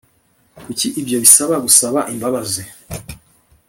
Kuki ibyo bisaba gusaba imbabazi